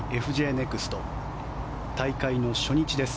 ネクスト大会の初日です。